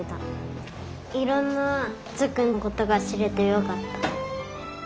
いろんなつっくんのことがしれてよかった。